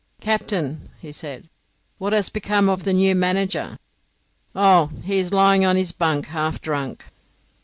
"Captain," he said, "what has become of the new manager?" "Oh, he is lying in his bunk half drunk."